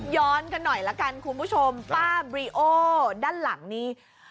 กันหน่อยละกันคุณผู้ชมป้าบริโอด้านหลังนี้